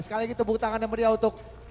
sekali lagi tepuk tangan yang meriah untuk